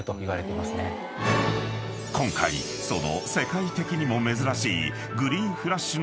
［今回その世界的にも珍しい］